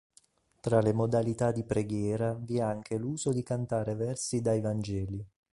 Tra le modalità di preghiera vi è anche l'uso di cantare versi dai Vangeli.